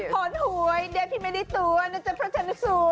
ขนหวยเด็กที่ไม่ได้ตัวน่าจะเพราะฉันสวย